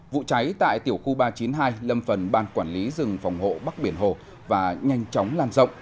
vụ cháy tại tiểu khu ba trăm chín mươi hai lâm phần ban quản lý rừng phòng hộ bắc biển hồ và nhanh chóng lan rộng